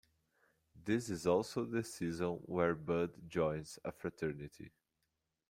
This is also the season where Bud joins a fraternity.